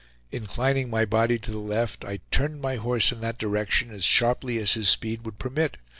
Inclining my body to the left, I turned my horse in that direction as sharply as his speed would permit.